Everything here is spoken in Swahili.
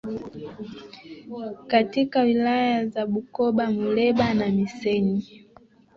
katika wilaya za Bukoba Muleba na Missenyi